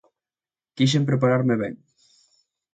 Quixen prepararme ben.